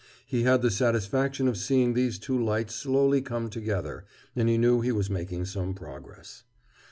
He had the satisfaction of seeing these two lights slowly come together, and he knew he was making some progress.